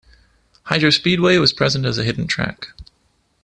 Hydro Speedway was present as a hidden track.